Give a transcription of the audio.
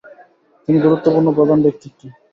তিনি গুরুত্বপূর্ণ প্রধান ব্যক্তিত্ব।